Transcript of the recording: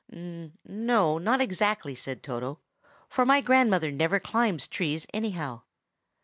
"N no, not exactly," said Toto, "for my grandmother never climbs trees, anyhow.